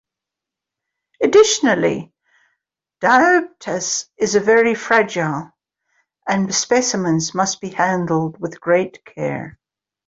Additionally, dioptase is very fragile and specimens must be handled with great care.